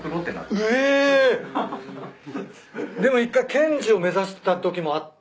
でも一回検事を目指したときもあって。